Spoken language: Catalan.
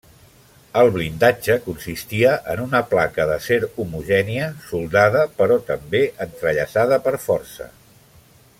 El blindatge consistia en una placa d'acer homogènia, soldada però també entrellaçada per força.